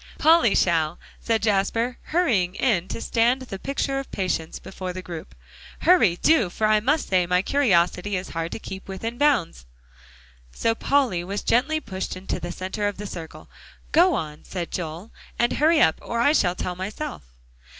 "Polly shall," said Jasper, hurrying in to stand the picture of patience before the group. "Hurry, do, for I must say my curiosity is hard to keep within bounds." So Polly was gently pushed into the center of the circle. "Go on," said Joel, "and hurry up, or I shall tell myself."